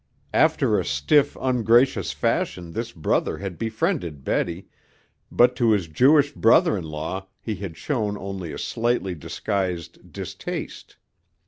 After a stiff, ungracious fashion this brother had befriended Betty, but to his Jewish brother in law he had shown only a slightly disguised distaste.